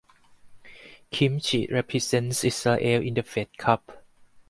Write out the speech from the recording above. Kimchi represents Israel in the Fed Cup.